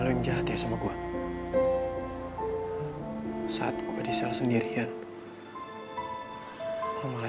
lo malah jahatkan lo sama gue